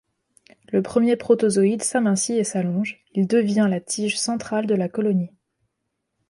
Le premier protozooide s'amincit et s'allonge, il devient la tige centrale de la colonie.